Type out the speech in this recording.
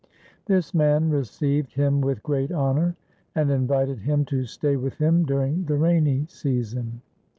This man received him with great honour, and invited him to stay with him during the rainy season.